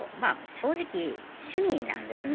正直趣味なんですね。